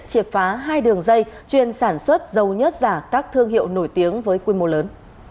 triệt phá hai đường dây chuyên sản xuất dầu nhất giả các thương hiệu nổi tiếng với quy mô lớn